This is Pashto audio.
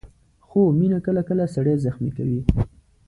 خو مینه کله کله سړی زخمي کوي.